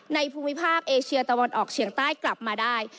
ภูมิภาคเอเชียตะวันออกเฉียงใต้กลับมาได้